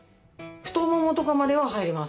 太ももとかまでは入りますね